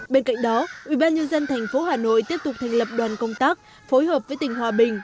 bên cạnh đó ubnd tp hà nội tiếp tục thành lập đoàn công tác phối hợp với tỉnh hòa bình